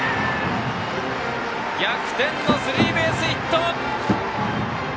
逆転のスリーベースヒット！